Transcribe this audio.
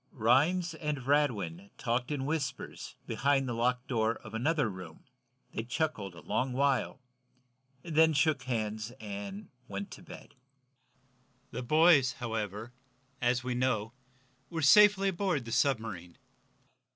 Rhinds and Radwin talked in whispers, behind the locked door of another room. They chuckled a long while, then shook hands and went to bed. The boys, however, as we know, were safely aboard the submarine.